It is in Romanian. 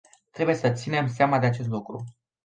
Trebuie să ținem seama de acest lucru.